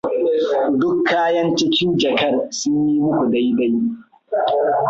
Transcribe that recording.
Duk kayan cikin jakar sun yi muku dai-dai?